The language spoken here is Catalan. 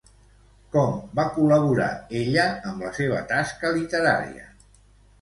Com va col·laborar ella amb la seva tasca literària?